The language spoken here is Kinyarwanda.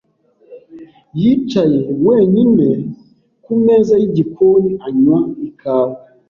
yicaye wenyine kumeza yigikoni, anywa ikawa.